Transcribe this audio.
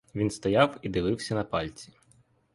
Він стояв і дивився на пальці.